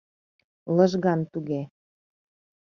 Лыжган туге.